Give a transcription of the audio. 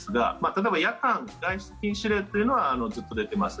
例えば夜間外出禁止令というのはずっと出ています。